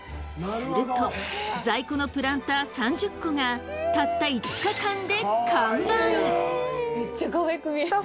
すると在庫のプランター３０個がたった５日間で完売。